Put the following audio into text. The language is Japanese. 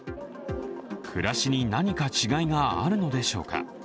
暮らしに何か違いがあるのでしょうか？